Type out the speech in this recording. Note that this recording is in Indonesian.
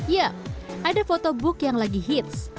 ya ada photobook yang lagi hits